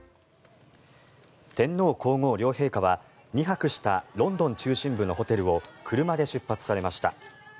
天皇・皇后両陛下は２泊したロンドン中心部のホテルを車で出発されました。